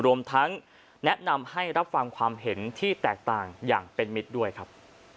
รวมทั้งแนะนำให้รับฟังความเห็นที่แตกต่างอย่างเป็นมิตรด้วยครับ